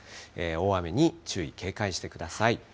大雨に注意、警戒してください。